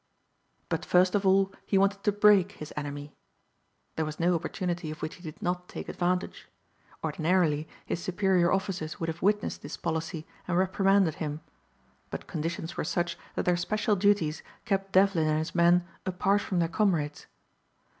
But first of all he wanted to break his enemy. There was no opportunity of which he did not take advantage. Ordinarily his superior officers would have witnessed this policy and reprimanded him; but conditions were such that their special duties kept Devlin and his men apart from their comrades.